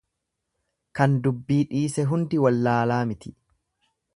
Kan dubbii dhiise hundi wallalaa miti.